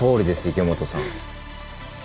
池本さん。